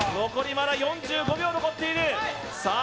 まだ４５秒残っているさあ